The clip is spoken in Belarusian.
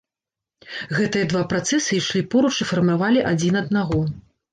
Гэтыя два працэсы ішлі поруч і фармавалі адзін аднаго.